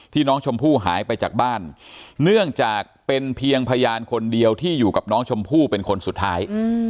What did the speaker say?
น้องชมพู่หายไปจากบ้านเนื่องจากเป็นเพียงพยานคนเดียวที่อยู่กับน้องชมพู่เป็นคนสุดท้าย